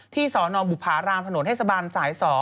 ที่สอนอบุภารามถนนเทศบรรย์สาย๒